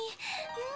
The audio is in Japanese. うん。